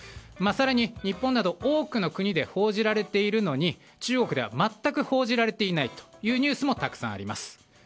更に、日本だと多くの国で報じられているのに中国では全く報じられていないというニュースもたくさんあります。